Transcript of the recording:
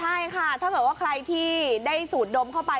ใช่ค่ะถ้าเกิดว่าใครที่ได้สูดดมเข้าไป